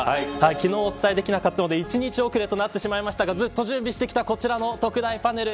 昨日お伝えできなかったので１日遅れとなりましたがずっと準備してきた特大パネル